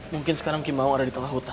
mungkin sekarang kim aung ada di tengah hutan